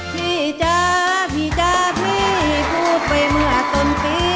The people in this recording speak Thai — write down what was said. พี่จ๊ะพี่จ๊ะพี่พูดไปเมื่อต้นปี